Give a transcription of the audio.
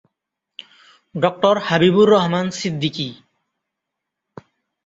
ড: হাবিবুর রহমান সিদ্দিকী।